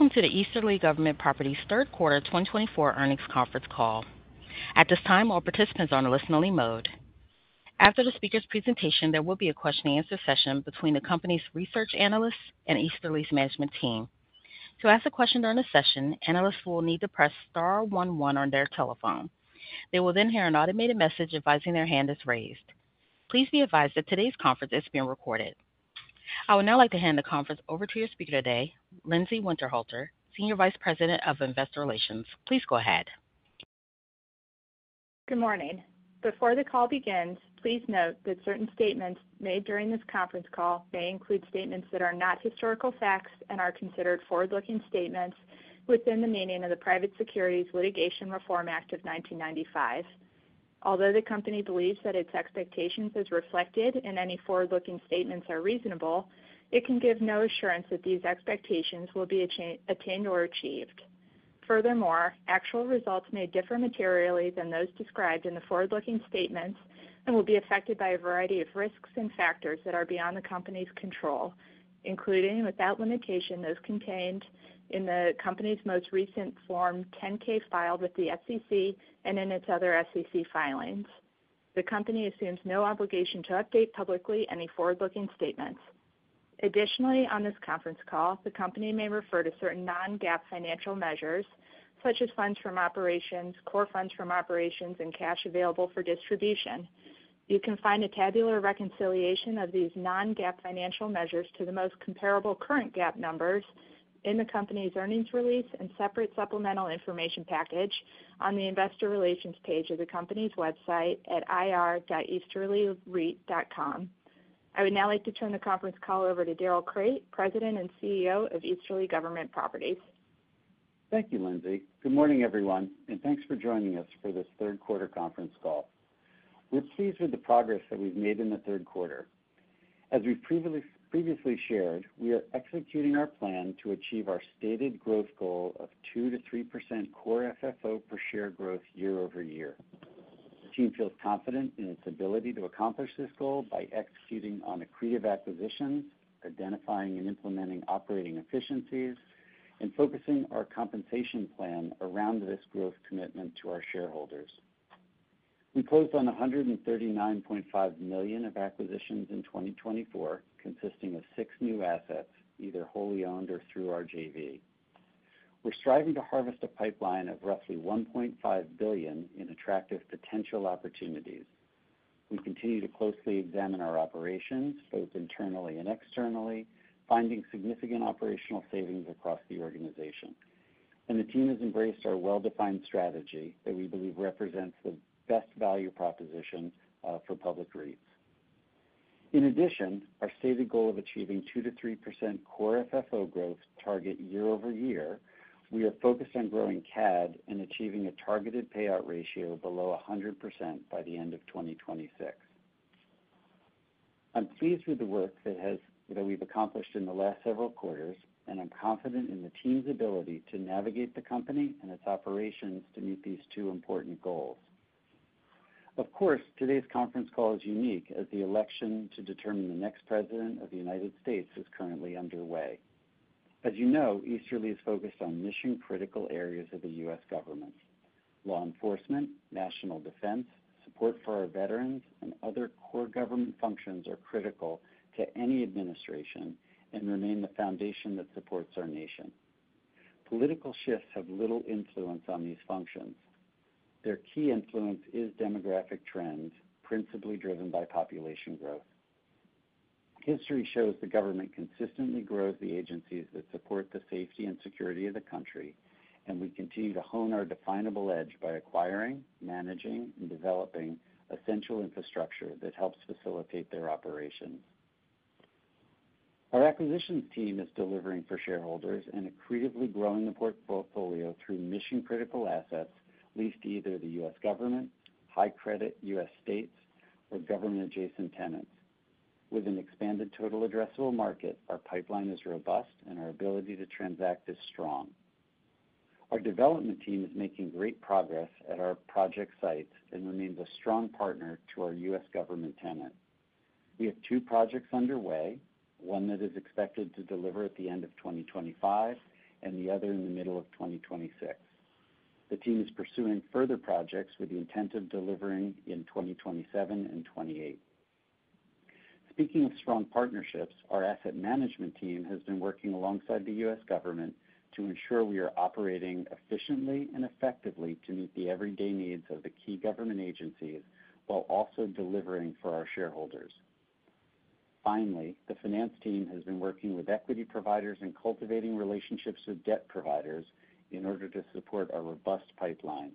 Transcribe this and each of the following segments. Welcome to the Easterly Government Properties third quarter 2024 earnings conference call. At this time, all participants are on a listen-only mode. After the speaker's presentation, there will be a question-and-answer session between the company's research analysts and Easterly's management team. To ask a question during the session, analysts will need to press star one one on their telephone. They will then hear an automated message advising their hand is raised. Please be advised that today's conference is being recorded. I would now like to hand the conference over to your speaker today, Lindsay Winterhalter, Senior Vice President of Investor Relations. Please go ahead. Good morning. Before the call begins, please note that certain statements made during this conference call may include statements that are not historical facts and are considered forward-looking statements within the meaning of the Private Securities Litigation Reform Act of 1995. Although the company believes that its expectations as reflected in any forward-looking statements are reasonable, it can give no assurance that these expectations will be attained or achieved. Furthermore, actual results may differ materially than those described in the forward-looking statements and will be affected by a variety of risks and factors that are beyond the company's control, including without limitation those contained in the company's most recent Form 10-K filed with the SEC and in its other SEC filings. The company assumes no obligation to update publicly any forward-looking statements. Additionally, on this conference call, the company may refer to certain non-GAAP financial measures, such as Funds from Operations, Core Funds from Operations, and Cash Available for Distribution. You can find a tabular reconciliation of these non-GAAP financial measures to the most comparable current GAAP numbers in the company's earnings release and separate supplemental information package on the Investor Relations page of the company's website at ir.easterlyreit.com. I would now like to turn the conference call over to Darrell Crate, President and CEO of Easterly Government Properties. Thank you, Lindsay. Good morning, everyone, and thanks for joining us for this third quarter conference call. We're pleased with the progress that we've made in the third quarter. As we've previously shared, we are executing our plan to achieve our stated growth goal of 2%-3% Core FFO per share growth year over year. The team feels confident in its ability to accomplish this goal by executing on accretive acquisitions, identifying and implementing operating efficiencies, and focusing our compensation plan around this growth commitment to our shareholders. We closed on $139.5 million of acquisitions in 2024, consisting of six new assets, either wholly owned or through our JV. We're striving to harvest a pipeline of roughly $1.5 billion in attractive potential opportunities. We continue to closely examine our operations, both internally and externally, finding significant operational savings across the organization. And the team has embraced our well-defined strategy that we believe represents the best value proposition for public REITs. In addition, our stated goal of achieving 2%-3% Core FFO growth target year-over-year, we are focused on growing CAD and achieving a targeted payout ratio below 100% by the end of 2026. I'm pleased with the work that we've accomplished in the last several quarters, and I'm confident in the team's ability to navigate the company and its operations to meet these two important goals. Of course, today's conference call is unique as the election to determine the next president of the United States is currently underway. As you know, Easterly is focused on mission-critical areas of the U.S. government. Law enforcement, national defense, support for our veterans, and other core government functions are critical to any administration and remain the foundation that supports our nation. Political shifts have little influence on these functions. Their key influence is demographic trends, principally driven by population growth. History shows the government consistently grows the agencies that support the safety and security of the country, and we continue to hone our definable edge by acquiring, managing, and developing essential infrastructure that helps facilitate their operations. Our acquisitions team is delivering for shareholders an accretively growing portfolio through mission-critical assets leased to either the U.S. government, high credit U.S. states, or government-adjacent tenants. With an expanded total addressable market, our pipeline is robust, and our ability to transact is strong. Our development team is making great progress at our project sites and remains a strong partner to our U.S. government tenant. We have two projects underway, one that is expected to deliver at the end of 2025 and the other in the middle of 2026. The team is pursuing further projects with the intent of delivering in 2027 and 2028. Speaking of strong partnerships, our asset management team has been working alongside the U.S. government to ensure we are operating efficiently and effectively to meet the everyday needs of the key government agencies while also delivering for our shareholders. Finally, the finance team has been working with equity providers and cultivating relationships with debt providers in order to support our robust pipeline.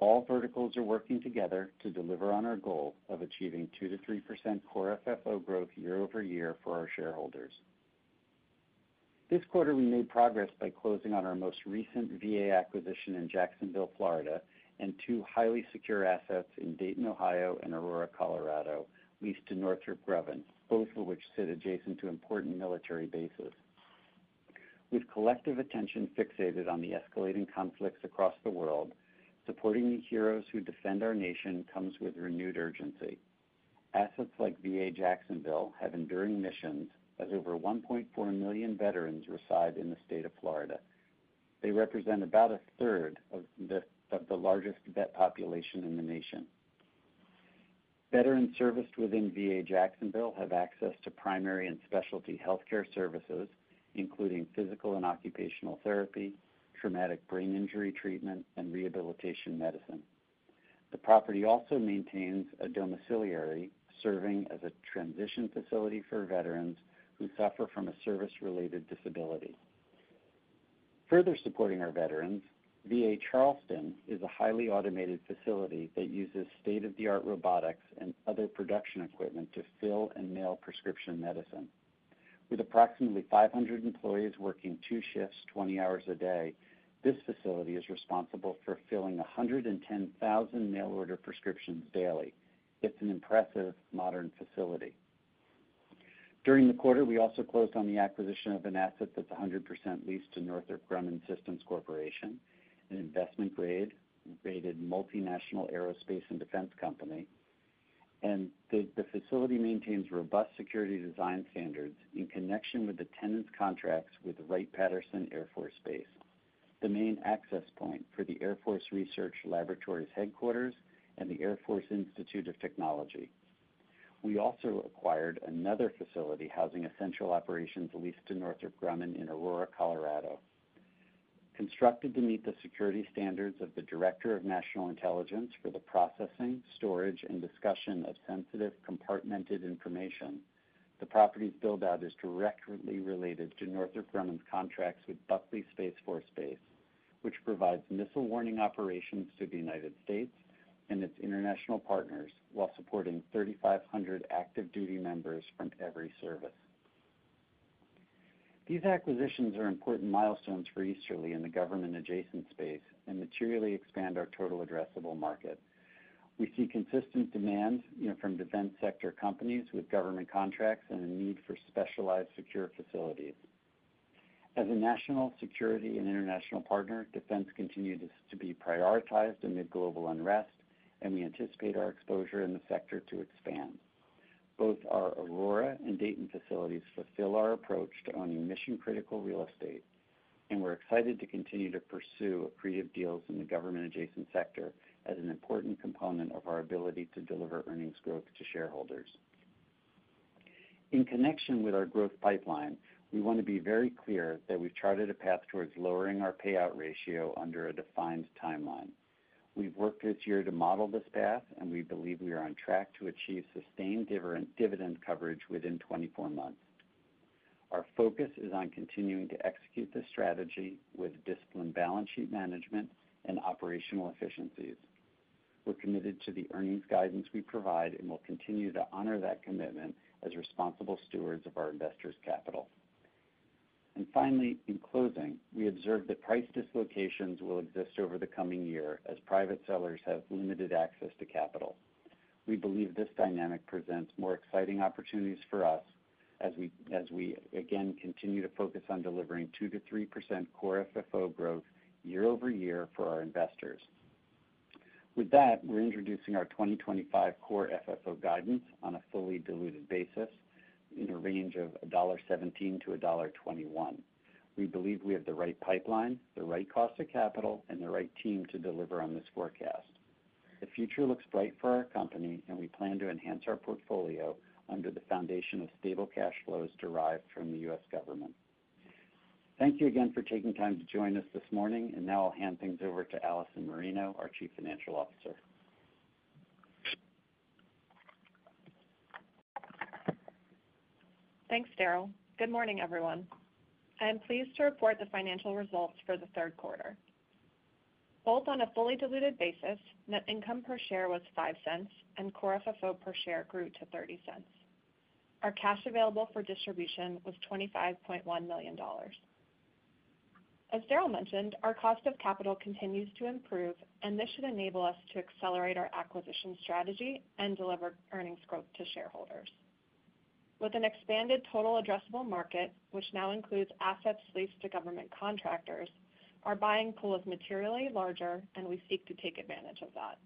All verticals are working together to deliver on our goal of achieving 2%-3% Core FFO growth year-over-year for our shareholders. This quarter, we made progress by closing on our most recent VA acquisition in Jacksonville, Florida, and two highly secure assets in Dayton, Ohio, and Aurora, Colorado, leased to Northrop Grumman, both of which sit adjacent to important military bases. With collective attention fixated on the escalating conflicts across the world, supporting the heroes who defend our nation comes with renewed urgency. Assets like VA Jacksonville have enduring missions as over 1.4 million veterans reside in the state of Florida. They represent about a third of the largest vet population in the nation. Veterans serviced within VA Jacksonville have access to primary and specialty healthcare services, including physical and occupational therapy, traumatic brain injury treatment, and rehabilitation medicine. The property also maintains a domiciliary serving as a transition facility for veterans who suffer from a service-related disability. Further supporting our veterans, VA Charleston is a highly automated facility that uses state-of-the-art robotics and other production equipment to fill and mail prescription medicine. With approximately 500 employees working two shifts 20 hours a day, this facility is responsible for filling 110,000 mail-order prescriptions daily. It's an impressive modern facility. During the quarter, we also closed on the acquisition of an asset that's 100% leased to Northrop Grumman Corporation, an investment-graded multinational aerospace and defense company, and the facility maintains robust security design standards in connection with the tenant's contracts with Wright-Patterson Air Force Base, the main access point for the Air Force Research Laboratory headquarters and the Air Force Institute of Technology. We also acquired another facility housing essential operations leased to Northrop Grumman in Aurora, Colorado. Constructed to meet the security standards of the Director of National Intelligence for the processing, storage, and discussion of sensitive compartmented information, the property's build-out is directly related to Northrop Grumman's contracts with Buckley Space Force Base, which provides missile warning operations to the United States and its international partners while supporting 3,500 active duty members from every service. These acquisitions are important milestones for Easterly in the government-adjacent space and materially expand our total addressable market. We see consistent demand from defense sector companies with government contracts and a need for specialized secure facilities. As a national security and international partner, defense continues to be prioritized amid global unrest, and we anticipate our exposure in the sector to expand. Both our Aurora and Dayton facilities fulfill our approach to owning mission-critical real estate, and we're excited to continue to pursue accretive deals in the government-adjacent sector as an important component of our ability to deliver earnings growth to shareholders. In connection with our growth pipeline, we want to be very clear that we've charted a path towards lowering our payout ratio under a defined timeline. We've worked this year to model this path, and we believe we are on track to achieve sustained dividend coverage within 24 months. Our focus is on continuing to execute this strategy with discipline balance sheet management and operational efficiencies. We're committed to the earnings guidance we provide and will continue to honor that commitment as responsible stewards of our investors' capital. Finally, in closing, we observe that price dislocations will exist over the coming year as private sellers have limited access to capital. We believe this dynamic presents more exciting opportunities for us as we again continue to focus on delivering 2%-3% core FFO growth year-over-year for our investors. With that, we're introducing our 2025 core FFO guidance on a fully diluted basis in a range of $1.17-$1.21. We believe we have the right pipeline, the right cost of capital, and the right team to deliver on this forecast. The future looks bright for our company, and we plan to enhance our portfolio under the foundation of stable cash flows derived from the U.S. government. Thank you again for taking time to join us this morning, and now I'll hand things over to Allison Marino, our Chief Financial Officer. Thanks, Darrell. Good morning, everyone. I am pleased to report the financial results for the third quarter. Both on a fully diluted basis, net income per share was $0.05, and Core FFO per share grew to $0.30. Our Cash Available for Distribution was $25.1 million. As Darrell mentioned, our cost of capital continues to improve, and this should enable us to accelerate our acquisition strategy and deliver earnings growth to shareholders. With an expanded total addressable market, which now includes assets leased to government contractors, our buying pool is materially larger, and we seek to take advantage of that.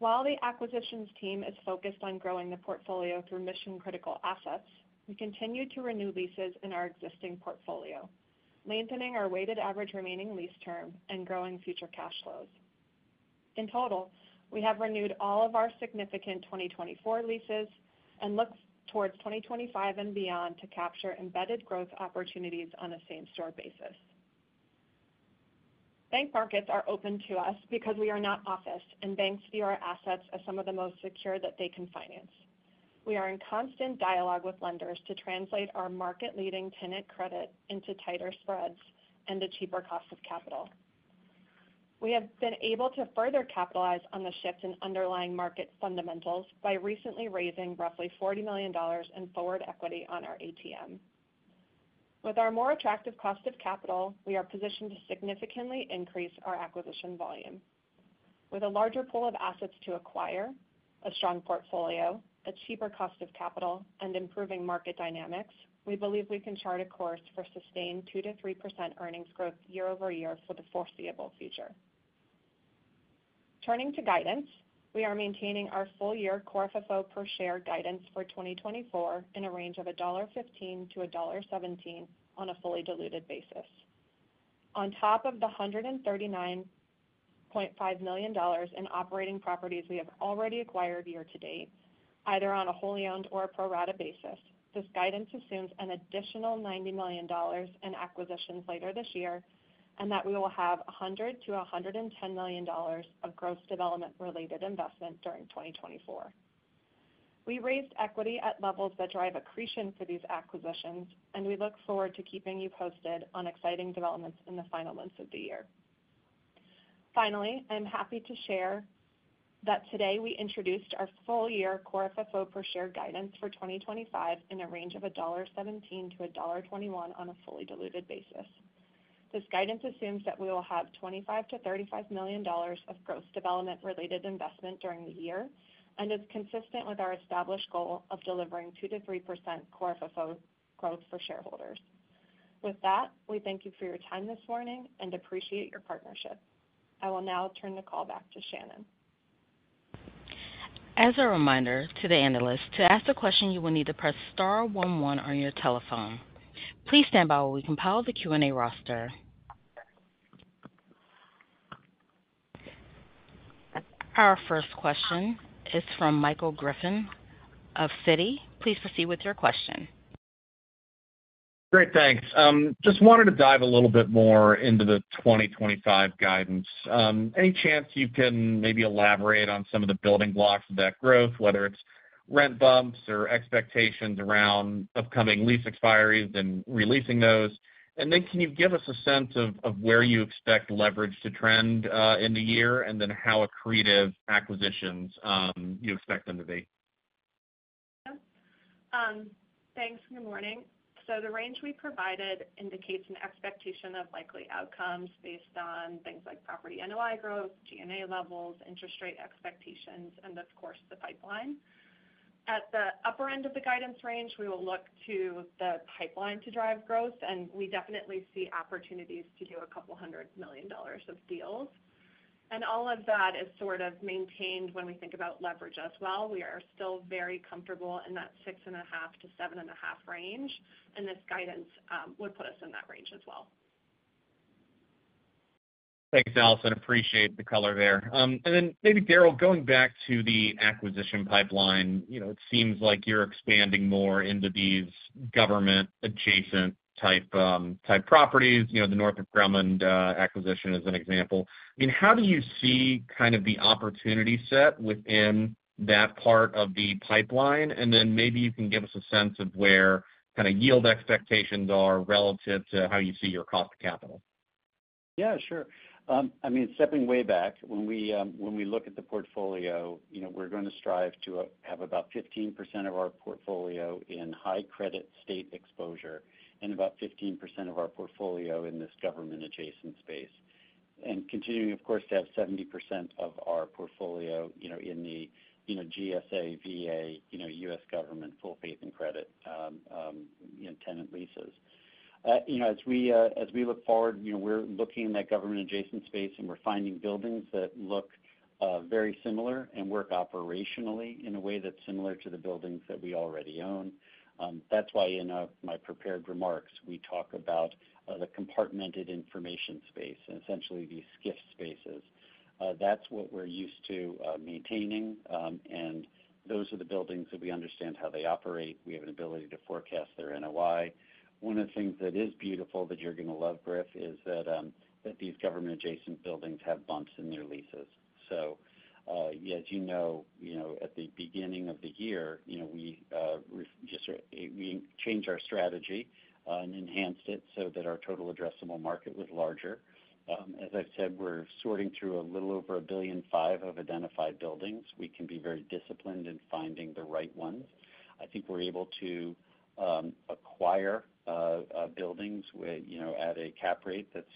While the acquisitions team is focused on growing the portfolio through mission-critical assets, we continue to renew leases in our existing portfolio, lengthening our weighted average remaining lease term and growing future cash flows. In total, we have renewed all of our significant 2024 leases and look towards 2025 and beyond to capture embedded growth opportunities on a same-store basis. Bank markets are open to us because we are not officed, and banks view our assets as some of the most secure that they can finance. We are in constant dialogue with lenders to translate our market-leading tenant credit into tighter spreads and a cheaper cost of capital. We have been able to further capitalize on the shift in underlying market fundamentals by recently raising roughly $40 million in forward equity on our ATM. With our more attractive cost of capital, we are positioned to significantly increase our acquisition volume. With a larger pool of assets to acquire, a strong portfolio, a cheaper cost of capital, and improving market dynamics, we believe we can chart a course for sustained 2%-3% earnings growth year-over-year for the foreseeable future. Turning to guidance, we are maintaining our full-year core FFO per share guidance for 2024 in a range of $1.15-$1.17 on a fully diluted basis. On top of the $139.5 million in operating properties we have already acquired year to date, either on a wholly owned or a pro-rata basis, this guidance assumes an additional $90 million in acquisitions later this year and that we will have $100-$110 million of growth development-related investment during 2024. We raised equity at levels that drive accretion for these acquisitions, and we look forward to keeping you posted on exciting developments in the final months of the year. Finally, I am happy to share that today we introduced our full-year core FFO per share guidance for 2025 in a range of $1.17-$1.21 on a fully diluted basis. This guidance assumes that we will have $25-$35 million of growth development-related investment during the year and is consistent with our established goal of delivering 2%-3% core FFO growth for shareholders. With that, we thank you for your time this morning and appreciate your partnership. I will now turn the call back to Shannon. As a reminder to the analysts, to ask a question, you will need to press star 11 on your telephone. Please stand by while we compile the Q&A roster. Our first question is from Michael Griffin of Citi. Please proceed with your question. Great. Thanks. Just wanted to dive a little bit more into the 2025 guidance. Any chance you can maybe elaborate on some of the building blocks of that growth, whether it's rent bumps or expectations around upcoming lease expiries and releasing those? And then can you give us a sense of where you expect leverage to trend in the year and then how accretive acquisitions you expect them to be? Thanks. Good morning. So the range we provided indicates an expectation of likely outcomes based on things like property NOI growth, G&A levels, interest rate expectations, and of course, the pipeline. At the upper end of the guidance range, we will look to the pipeline to drive growth, and we definitely see opportunities to do $200 million of deals. And all of that is sort of maintained when we think about leverage as well. We are still very comfortable in that 6.5-7.5 range, and this guidance would put us in that range as well. Thanks, Allison. Appreciate the color there. And then maybe, Darrell, going back to the acquisition pipeline, it seems like you're expanding more into these government-adjacent type properties. The Northrop Grumman acquisition is an example. I mean, how do you see kind of the opportunity set within that part of the pipeline? And then maybe you can give us a sense of where kind of yield expectations are relative to how you see your cost of capital. Yeah, sure. I mean, stepping way back, when we look at the portfolio, we're going to strive to have about 15% of our portfolio in high credit state exposure and about 15% of our portfolio in this government-adjacent space. And continuing, of course, to have 70% of our portfolio in the GSA, VA, U.S. government full faith and credit tenant leases. As we look forward, we're looking in that government-adjacent space, and we're finding buildings that look very similar and work operationally in a way that's similar to the buildings that we already own. That's why in my prepared remarks, we talk about the compartmented information space and essentially these SCIF spaces. That's what we're used to maintaining, and those are the buildings that we understand how they operate. We have an ability to forecast their NOI. One of the things that is beautiful that you're going to love, Griff, is that these government-adjacent buildings have bumps in their leases, so as you know, at the beginning of the year, we changed our strategy and enhanced it so that our total addressable market was larger. As I've said, we're sorting through a little over $1.5 billion of identified buildings. We can be very disciplined in finding the right ones. I think we're able to acquire buildings at a cap rate that's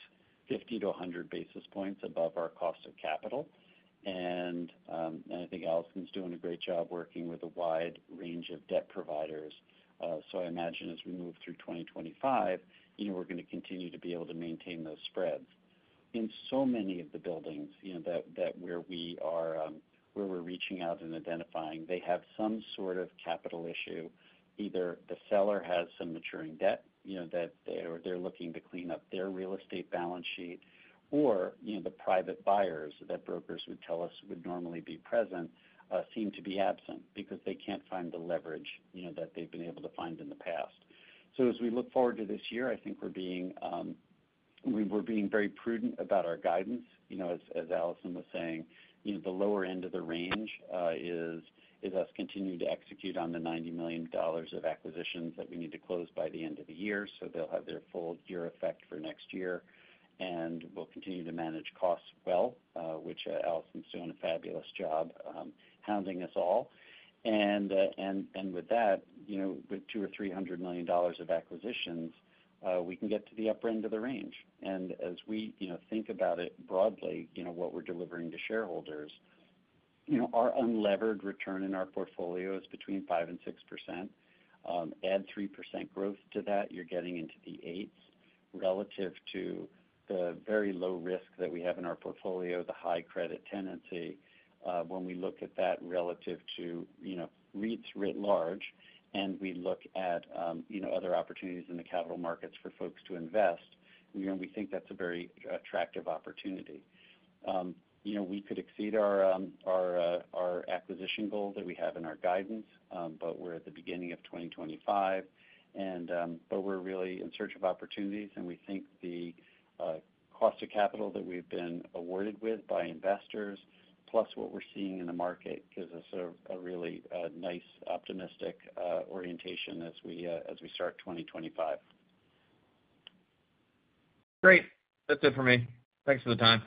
50-100 basis points above our cost of capital, and I think Allison's doing a great job working with a wide range of debt providers, so I imagine as we move through 2025, we're going to continue to be able to maintain those spreads. In so many of the buildings that we're reaching out and identifying, they have some sort of capital issue. Either the seller has some maturing debt that they're looking to clean up their real estate balance sheet, or the private buyers that brokers would tell us would normally be present seem to be absent because they can't find the leverage that they've been able to find in the past. So as we look forward to this year, I think we're being very prudent about our guidance. As Allison was saying, the lower end of the range is us continuing to execute on the $90 million of acquisitions that we need to close by the end of the year. So they'll have their full year effect for next year, and we'll continue to manage costs well, which Allison's doing a fabulous job hounding us all. With that, with $200-$300 million of acquisitions, we can get to the upper end of the range. As we think about it broadly, what we're delivering to shareholders, our unlevered return in our portfolio is between 5%-6%. Add 3% growth to that, you're getting into the eights relative to the very low risk that we have in our portfolio, the high credit tenancy. When we look at that relative to REITs writ large, and we look at other opportunities in the capital markets for folks to invest, we think that's a very attractive opportunity. We could exceed our acquisition goal that we have in our guidance, but we're at the beginning of 2025. But we're really in search of opportunities, and we think the cost of capital that we've been awarded with by investors, plus what we're seeing in the market, gives us a really nice optimistic orientation as we start 2025. Great. That's it for me. Thanks for the time.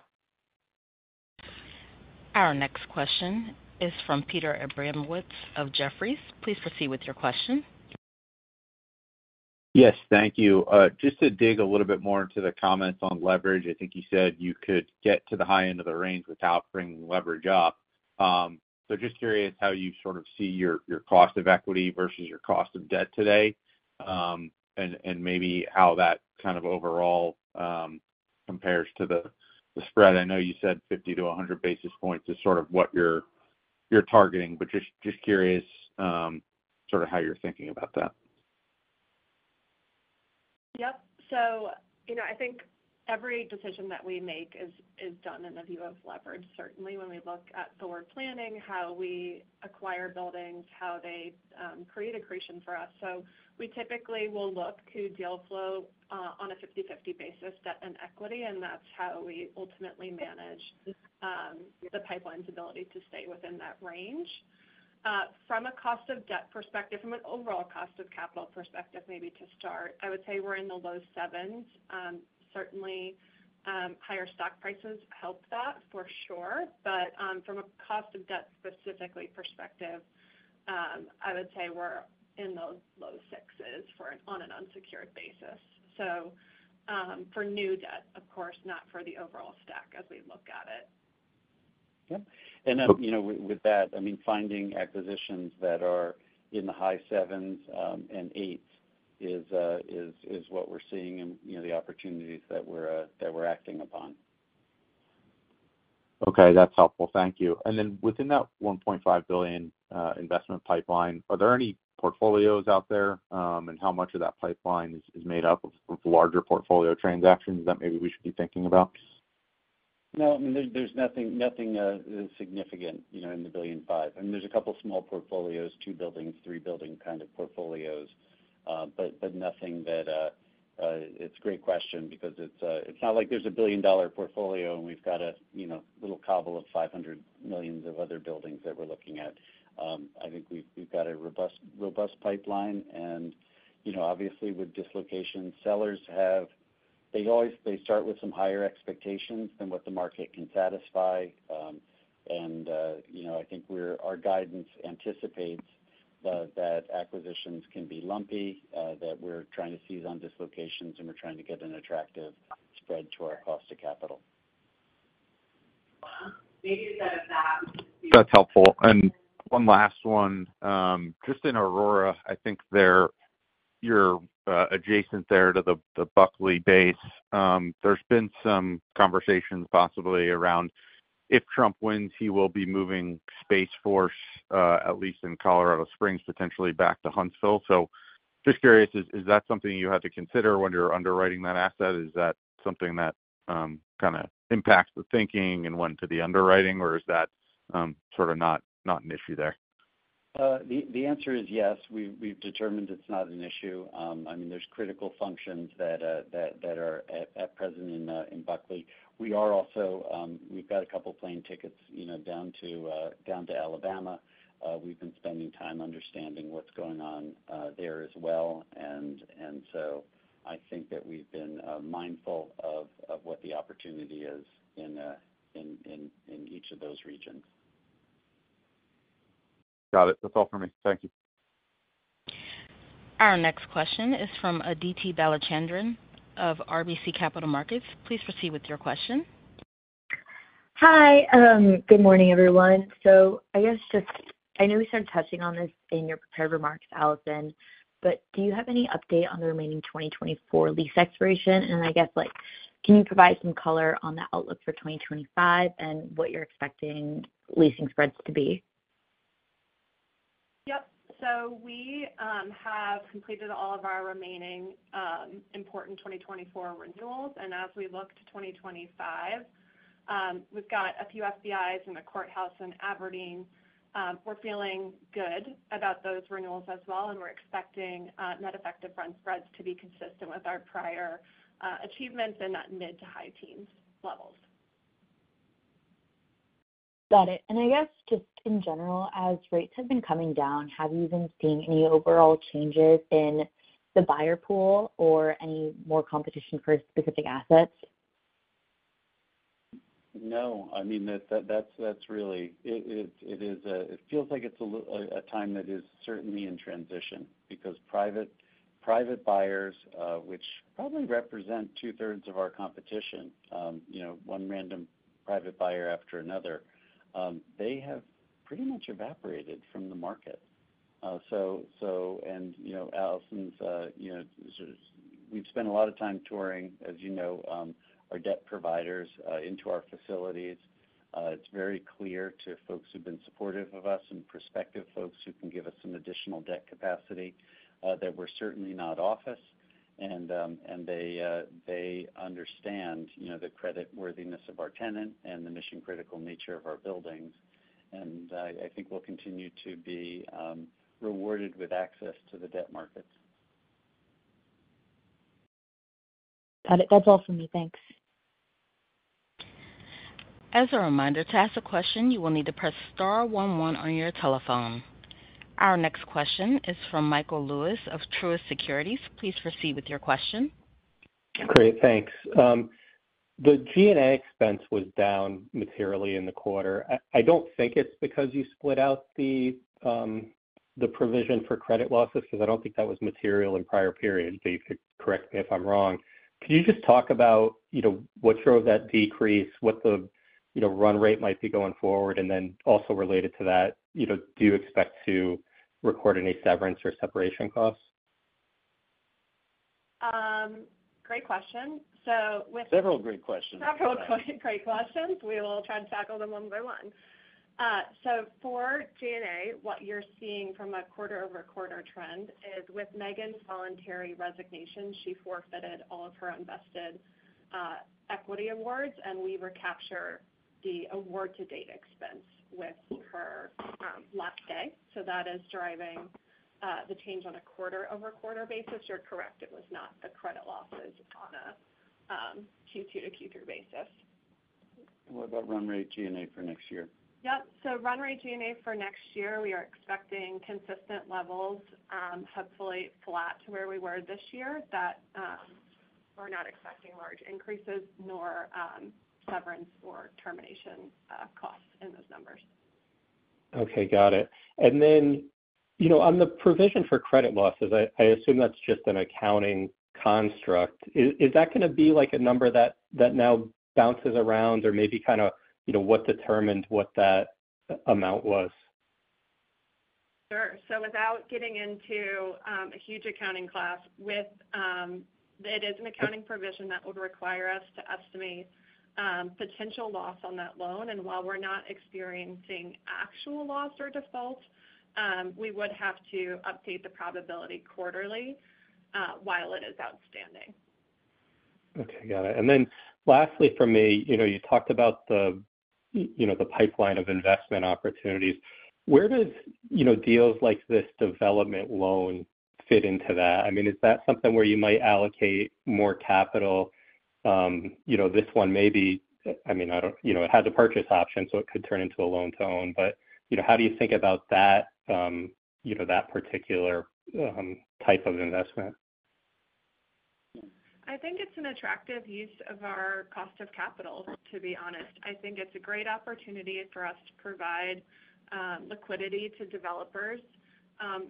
Our next question is from Peter Abramowitz of Jefferies. Please proceed with your question. Yes, thank you. Just to dig a little bit more into the comments on leverage, I think you said you could get to the high end of the range without bringing leverage up. So just curious how you sort of see your cost of equity versus your cost of debt today and maybe how that kind of overall compares to the spread. I know you said 50-100 basis points is sort of what you're targeting, but just curious sort of how you're thinking about that. Yep. So I think every decision that we make is done in the view of leverage, certainly when we look at forward planning, how we acquire buildings, how they create accretion for us. So we typically will look to deal flow on a 50/50 basis debt and equity, and that's how we ultimately manage the pipeline's ability to stay within that range. From a cost of debt perspective, from an overall cost of capital perspective, maybe to start, I would say we're in the low sevens. Certainly, higher stock prices help that for sure. But from a cost of debt specifically perspective, I would say we're in the low sixes on an unsecured basis. So for new debt, of course, not for the overall stack as we look at it. Yep. And then with that, I mean, finding acquisitions that are in the high sevens and eights is what we're seeing in the opportunities that we're acting upon. Okay. That's helpful. Thank you. And then within that $1.5 billion investment pipeline, are there any portfolios out there, and how much of that pipeline is made up of larger portfolio transactions that maybe we should be thinking about? No. I mean, there's nothing significant in the $1.5 billion. I mean, there's a couple of small portfolios, two buildings, three-building kind of portfolios, but nothing. That's a great question because it's not like there's a $1 billion portfolio and we've got a little cobble of $500 million of other buildings that we're looking at. I think we've got a robust pipeline. And obviously, with dislocation, sellers, they start with some higher expectations than what the market can satisfy. And I think our guidance anticipates that acquisitions can be lumpy, that we're trying to seize on dislocations, and we're trying to get an attractive spread to our cost of capital. Maybe instead of that. That's helpful, and one last one. Just in Aurora, I think you're adjacent there to the Buckley base. There's been some conversations possibly around if Trump wins, he will be moving Space Force, at least in Colorado Springs, potentially back to Huntsville, so just curious, is that something you had to consider when you're underwriting that asset? Is that something that kind of impacts the thinking and went to the underwriting, or is that sort of not an issue there? The answer is yes. We've determined it's not an issue. I mean, there's critical functions that are at present in Buckley. We also, we've got a couple of plane tickets down to Alabama. We've been spending time understanding what's going on there as well. And so I think that we've been mindful of what the opportunity is in each of those regions. Got it. That's all for me. Thank you. Our next question is from Aditi Balachandran of RBC Capital Markets. Please proceed with your question. Hi. Good morning, everyone. So I guess just I know we started touching on this in your prepared remarks, Allison, but do you have any update on the remaining 2024 lease expiration? And I guess can you provide some color on the outlook for 2025 and what you're expecting leasing spreads to be? Yep. So we have completed all of our remaining important 2024 renewals. And as we look to 2025, we've got a few FBIs in the courthouse and Aberdeen. We're feeling good about those renewals as well, and we're expecting net effective rent spreads to be consistent with our prior achievements in that mid- to high-teens levels. Got it. And I guess just in general, as rates have been coming down, have you been seeing any overall changes in the buyer pool or any more competition for specific assets? No. I mean, that's really, it feels like it's a time that is certainly in transition because private buyers, which probably represent two-thirds of our competition, one random private buyer after another, they have pretty much evaporated from the market. And Allison, we've spent a lot of time touring, as you know, our debt providers into our facilities. It's very clear to folks who've been supportive of us and prospective folks who can give us some additional debt capacity that we're certainly not office. And they understand the creditworthiness of our tenant and the mission-critical nature of our buildings. And I think we'll continue to be rewarded with access to the debt markets. Got it. That's all for me. Thanks. As a reminder, to ask a question, you will need to press star one one on your telephone. Our next question is from Michael Lewis of Truist Securities. Please proceed with your question. Great. Thanks. The G&A expense was down materially in the quarter. I don't think it's because you split out the provision for credit losses because I don't think that was material in prior periods. But you could correct me if I'm wrong. Could you just talk about what drove that decrease, what the run rate might be going forward, and then also related to that, do you expect to record any severance or separation costs? Great question. So with. Several great questions. Several great questions. We will try and tackle them one by one. So for G&A, what you're seeing from a quarter-over-quarter trend is with Meghan's voluntary resignation, she forfeited all of her invested equity awards, and we recapture the award-to-date expense with her last day. So that is driving the change on a quarter-over-quarter basis. You're correct. It was not the credit losses on a Q2 to Q3 basis. What about run rate G&A for next year? Yep. So run rate G&A for next year, we are expecting consistent levels, hopefully flat to where we were this year. We're not expecting large increases nor severance or termination costs in those numbers. Okay. Got it. And then on the provision for credit losses, I assume that's just an accounting construct. Is that going to be a number that now bounces around or maybe kind of what determined what that amount was? Sure. So without getting into a huge accounting class, it is an accounting provision that would require us to estimate potential loss on that loan. And while we're not experiencing actual loss or default, we would have to update the probability quarterly while it is outstanding. Okay. Got it. And then lastly for me, you talked about the pipeline of investment opportunities. Where do deals like this development loan fit into that? I mean, is that something where you might allocate more capital? This one maybe I mean, it had the purchase option, so it could turn into a loan to own. But how do you think about that particular type of investment? I think it's an attractive use of our cost of capital, to be honest. I think it's a great opportunity for us to provide liquidity to developers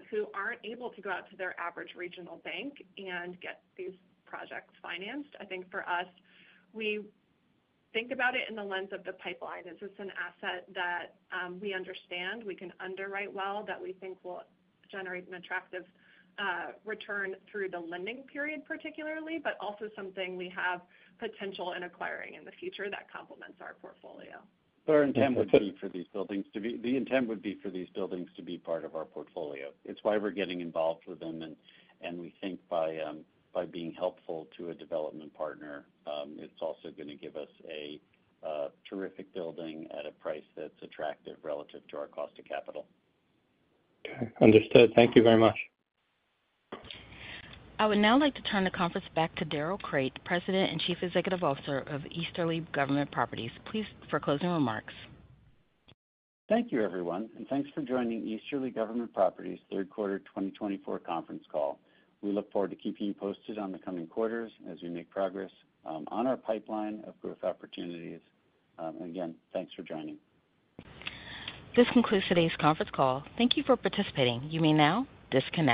who aren't able to go out to their average regional bank and get these projects financed. I think for us, we think about it in the lens of the pipeline. Is this an asset that we understand, we can underwrite well, that we think will generate an attractive return through the lending period particularly, but also something we have potential in acquiring in the future that complements our portfolio? Our intent would be for these buildings to be part of our portfolio. It's why we're getting involved with them. And we think by being helpful to a development partner, it's also going to give us a terrific building at a price that's attractive relative to our cost of capital. Okay. Understood. Thank you very much. I would now like to turn the conference back to Darrell Crate, President and Chief Executive Officer of Easterly Government Properties. Please for closing remarks. Thank you, everyone. And thanks for joining Easterly Government Properties third quarter 2024 conference call. We look forward to keeping you posted on the coming quarters as we make progress on our pipeline of growth opportunities. And again, thanks for joining. This concludes today's conference call. Thank you for participating. You may now disconnect.